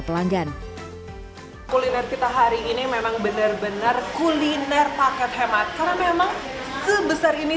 pelanggan kuliner kita hari ini memang benar benar kuliner paket hemat karena memang sebesar ini